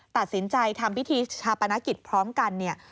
ตัดสินใจทำพิธีชาปนกิจพร้อมกันเนี่ย